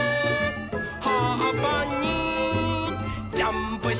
「はっぱにジャンプして」